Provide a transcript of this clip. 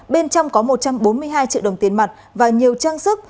bên trong có một trăm bốn mươi hai triệu đồng tiền mặt và nhiều trang sức